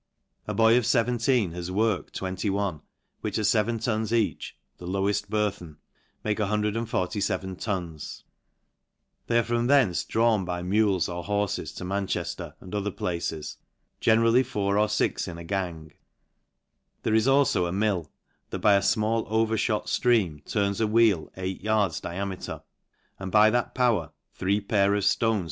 A boy of feventeen; has. worked twenty one, which at feven tons each (the loweii burthen) make 147 tons; they are from thence drawn by mules of horfes to Manchefler and other places, generally four or fix in a gang; there is alfo a »«//, that by a fmall overihot ftream turns a wheel eight yards di ameter, and by that power three p..ir of (tones